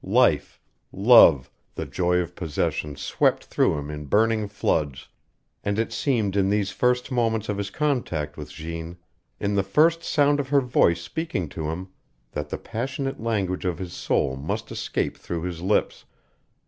Life, love, the joy of possession swept through him in burning floods, and it seemed in these first moments of his contact with Jeanne, in the first sound of her voice speaking to him, that the passionate language of his soul must escape through his lips.